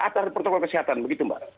atar protokol kesehatan begitu mbak